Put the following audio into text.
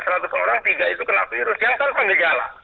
berarti kalau ada seratus orang tiga itu kena virus yang tanpa gejala